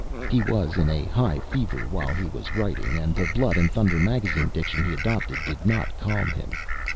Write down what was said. He was in a high fever while he was writing, and the blood and thunder Magazine diction he adopted did not calm him.